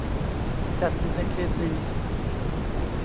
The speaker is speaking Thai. จัดอยู่ในเกณฑ์ดี